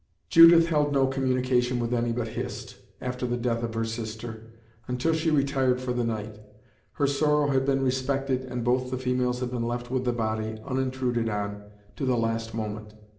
Judith held no communications with any but Hist, after the death of her sister, until she retired for the night. Her sorrow had been respected, and both the females had been left with the body, unintruded on, to the last moment.